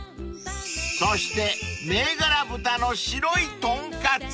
［そして銘柄豚の白いとんかつ］